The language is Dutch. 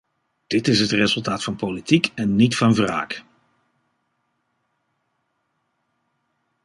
Dit is het resultaat van politiek en niet van wraak!